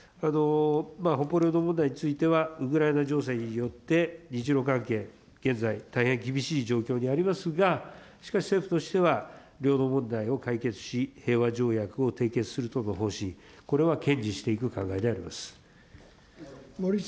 北方領土問題については、ウクライナ情勢によって日ロ関係、現在、大変厳しい状況にありますが、しかし政府としては、領土問題を解決し、平和条約を締結するとの方針、これは堅持していく考えであります。